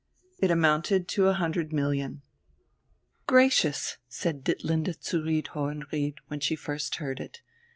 It amounted to a hundred million. "Gracious!" said Ditlinde zu Ried Hohenried, when she first heard it.